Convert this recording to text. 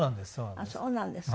そうなんです。